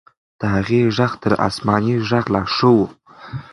د هغې ږغ تر آسماني ږغ لا ښه و.